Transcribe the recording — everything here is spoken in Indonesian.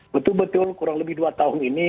betul betul kurang lebih dua tahun ini